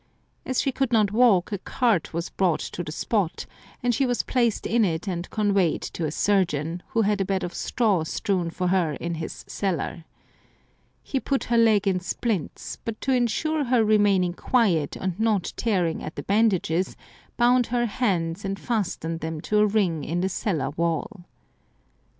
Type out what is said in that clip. As she could not walk, a cart was brought to the spot, and she was placed in it and conveyed to a surgeon, who had a bed of straw strewn for her In his cellar. He put her leg in splints, but to ensure her remaining quiet and not tearing at the bandages, bound her hands and fastened them to a ring in the cellar wall.